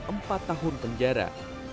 empat tahun penjara